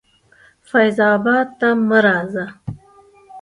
فیض آباد ته مه راځه.